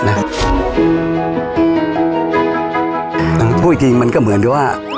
คุณพูดจริงมันก็เหมือนด้วยว่า